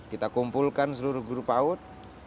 kita kumpulkan seluruh guru paut